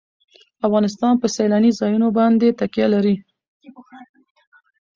افغانستان په سیلانی ځایونه باندې تکیه لري.